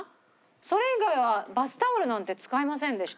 それ以外はバスタオルなんて使いませんでした。